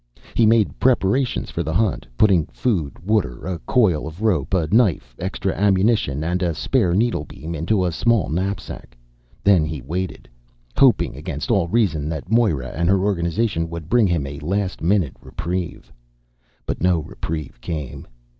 He made his preparations for the Hunt, putting food, water, a coil of rope, a knife, extra ammunition, and a spare needlebeam into a small knapsack. Then he waited, hoping against all reason that Moera and her organization would bring him a last minute reprieve. But no reprieve came.